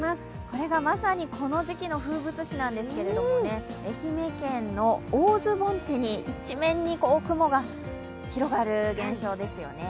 これがまさにこの時期の風物詩なんですけれども愛媛県の大洲盆地に一面に雲が広がる現象ですよね。